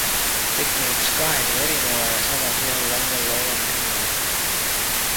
Tekkinuks kahe nii erineva ja samas ühel lainel loova mehe laul.